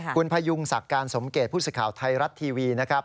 คุณพยุงศักดิ์การสมเกตผู้สื่อข่าวไทยรัฐทีวีนะครับ